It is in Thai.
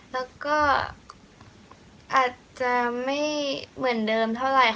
แล้วก็อาจจะไม่เหมือนเดิมเท่าไหร่ค่ะ